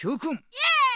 イエーイ！